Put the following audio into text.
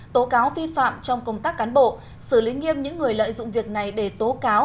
tố cáo vi phạm trong công tác cán bộ xử lý nghiêm những người lợi dụng việc này để tố cáo